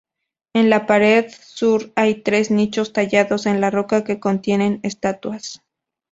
En la pared sur hay tres nichos tallados en la roca que contienen estatuas.